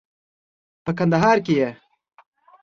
په کندهار کې یې